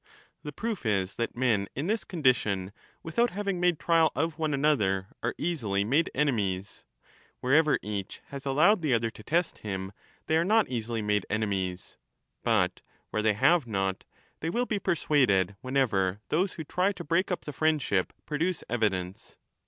The proof is that men in this condition, without having made trial of one another, are easily made enemies ; wherever each has allowed the other 25 to test him, they are not easily made enemies ; but where they have not, they will be persuaded whenever those who try to break up the friendship produce evidence.